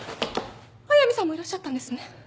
速見さんもいらっしゃったんですね。